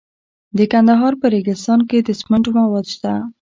د کندهار په ریګستان کې د سمنټو مواد شته.